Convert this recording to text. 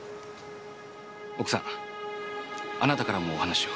奥さんあなたからもお話を。